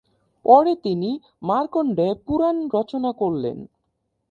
পরে তিনি মার্কন্ডেয় পুরাণ রচনা করলেন।